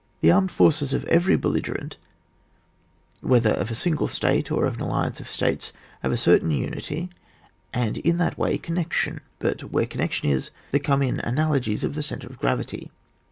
The armed forces of every belligerent, whether of a single state or of an alliance of states, have a certain unity, and in that way, connection ; but where connection is there come in ana logies of the centre of gravity.